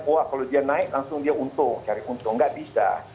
wah kalau dia naik langsung dia untung cari untung nggak bisa